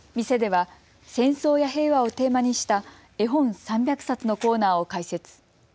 店では戦争や平和をテーマにした絵本３００冊のコーナーを開設。